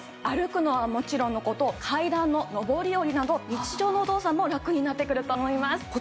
歩くのはもちろんの事階段の上り下りなど日常の動作もラクになってくると思います。